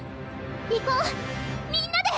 いこうみんなで！